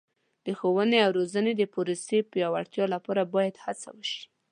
د ښوونې او روزنې د پروسې د پیاوړتیا لپاره باید هڅه وشي.